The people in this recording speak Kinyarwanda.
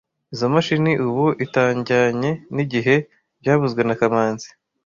Izoi mashini ubu itajyanye n'igihe byavuzwe na kamanzi